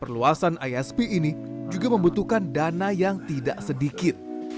dan isp ini juga membutuhkan dana yang tidak sedikit